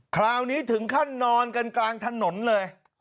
คราวนี้ถึงขั้นนอนกันกลางถนนเลย